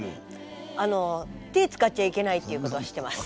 あの手を使っちゃいけないっていうことは知ってます。